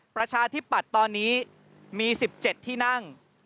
ประชาธิปัตย์ตอนนี้มี๑๗ที่นั่ง